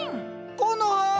コノハ！